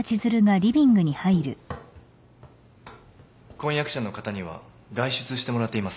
婚約者の方には外出してもらっています。